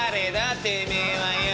てめえはよう」。